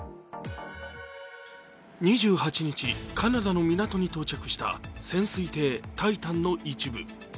２８日、カナダの港に到着した潜水艇「タイタン」の一部